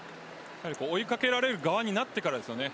追いかけられる側になってからですよね。